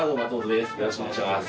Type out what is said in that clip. よろしくお願いします。